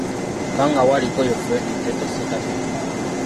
Kkangaawo aliko ye Fred Ntege Ssekamere.